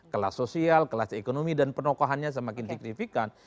kelas sosial kelas ekonomi dan penokohannya semakin signifikan